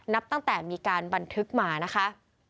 นับตั้งแต่มีการบันทึกมานะคะ